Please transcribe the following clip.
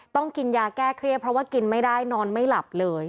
ต้องกินยาแก้เครียดเพราะว่ากินไม่ได้นอนไม่หลับเลย